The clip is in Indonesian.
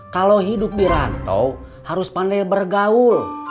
kalau hidup di rantau harus pandai bergaul